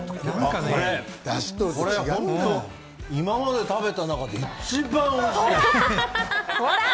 本当、今まで食べた中で一番おいしい！